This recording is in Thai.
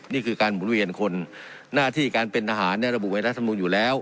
นี่คือการหมุนเวียนคนหน้าที่การเป็นทหารระบุไว้รัฐมนุนอยู่แล้ว